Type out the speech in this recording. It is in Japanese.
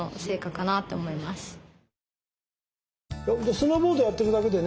スノーボードやってるだけでね